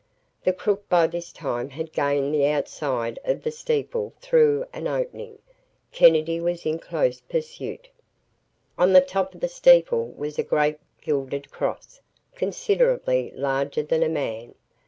The crook by this time had gained the outside of the steeple through an opening. Kennedy was in close pursuit. On the top of the steeple was a great gilded cross, considerably larger than a man.